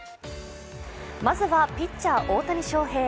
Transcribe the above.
まずはピッチャー・大谷翔平。